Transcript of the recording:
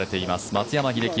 松山英樹。